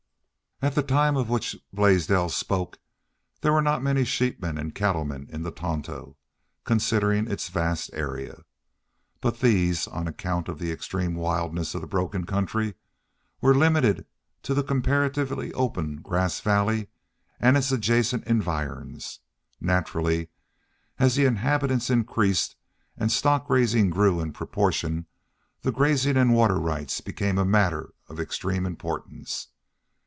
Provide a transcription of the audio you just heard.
At the time of which Blaisdell spoke there were not many sheepmen and cattlemen in the Tonto, considering its vast area. But these, on account of the extreme wildness of the broken country, were limited to the comparatively open Grass Valley and its adjacent environs. Naturally, as the inhabitants increased and stock raising grew in proportion the grazing and water rights became matters of extreme importance.